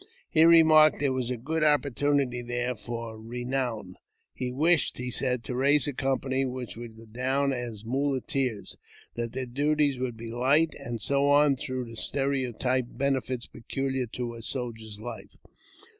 He remarked that there was a good opportunity there for renoion. He wished, he said, to raise a mpany which would go down as muleteers ; that their duties ould be light, and so on through the stereotyped benefits culiar to a soldier's life.